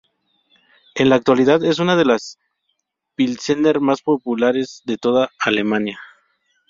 En la actualidad es una de las pilsener más populares de toda Alemania.